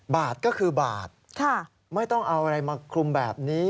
บาทก็คือบาทไม่ต้องเอาอะไรมาคลุมแบบนี้